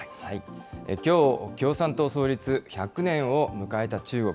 きょう、共産党創立１００年を迎えた中国。